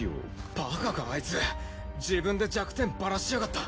バカかアイツ自分で弱点バラしやがった。